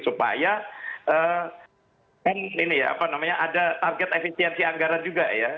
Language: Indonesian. supaya ada target efisiensi anggaran juga ya